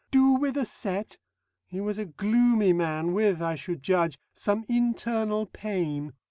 Do with a set! He was a gloomy man with (I should judge) some internal pain.